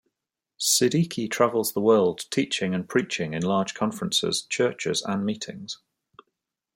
Siddiki travels the world teaching and preaching in large conferences, churches, and meetings.